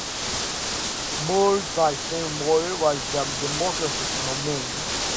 Moore's wife, Stephene Moore, was the Democratic nominee.